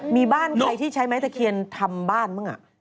มีบ้านใครที่ใช้ไม้ตะเคียนทำบ้านบ้าง